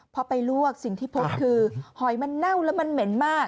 พอไปลวกสิ่งที่พบคือหอยมันเน่าแล้วมันเหม็นมาก